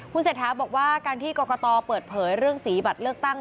เศรษฐาบอกว่าการที่กรกตเปิดเผยเรื่องสีบัตรเลือกตั้ง